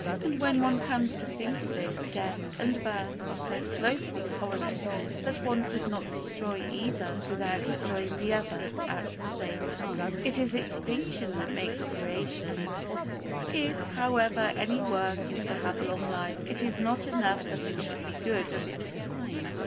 And, when one comes to think of it, death and birth are so closely correlated that one could not destroy either without destroying the other at the same time. It is extinction that makes creation possible. If, however, any work is to have long life it is not enough that it should be good of its kind.